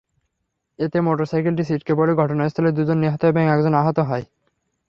এতে মোটরসাইকেলটি ছিটকে পরলে ঘটনাস্থলেই দুজন নিহত এবং একজন আহত হন।